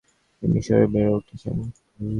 তিনি মিশরে বেড়ে উঠেছেন।